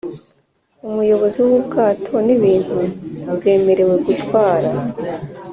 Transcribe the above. umuyobozi w’ubwato, n’ibintu bwemerewe gutwara;